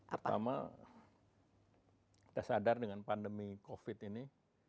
pertama kita sadar dengan pandemi covid ini